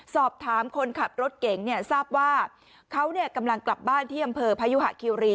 สอบถามคนขับรถเก๋งเนี่ยทราบว่าเขากำลังกลับบ้านที่อำเภอพยุหะคิวรี